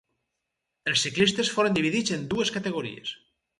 Els ciclistes foren dividits en dues categories.